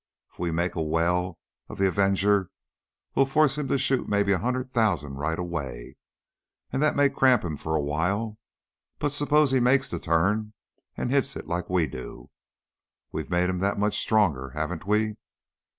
If we make a well of the Avenger we'll force him to shoot maybe a hundred thousand right away, and that may cramp him for a while; but suppose he makes the turn and hits it like we do? We've made him that much stronger, haven't we?